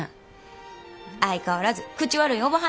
相変わらず口悪いおばはんやな。